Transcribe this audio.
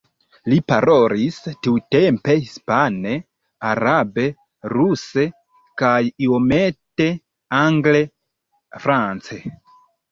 Li parolis tiutempe hispane, arabe, ruse kaj iomete angle, france.